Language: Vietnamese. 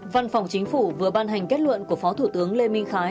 văn phòng chính phủ vừa ban hành kết luận của phó thủ tướng lê minh khái